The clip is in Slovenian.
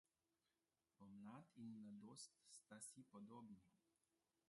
Pomlad in mladost sta si podobni.